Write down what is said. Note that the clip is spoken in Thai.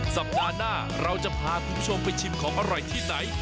สัปดาห์หน้าเราจะพาคุณผู้ชมไปชิมของอร่อยที่ไหน